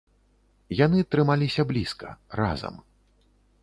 Яны трымаліся блізка, разам.